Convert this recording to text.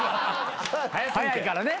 早いからね。